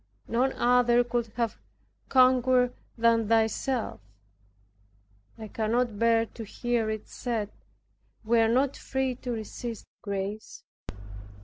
None other could have conquered than Thyself. I cannot bear to hear it said, "We are not free to resist grace."